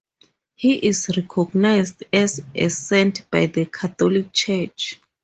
He is recognized as a saint by the Catholic Church.